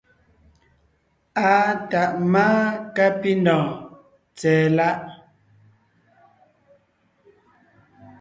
Àa tàʼ máa kápindɔ̀ɔn tsɛ̀ɛ láʼ.